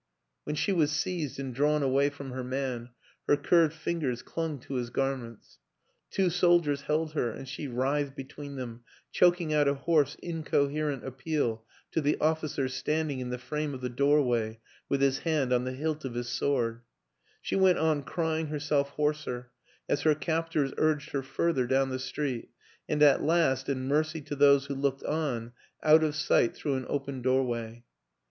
... When she was seized and drawn away from her man, her curved fingers clung to his garments. Two soldiers held her and she writhed between them choking out a hoarse incoherent appeal to the officer standing in the frame of the doorway with his hand on the hilt of his sword; she went on crying herself hoarser as her captors urged her further down the street and at last, in mercy to those who looked on, out of sight through an open doorway.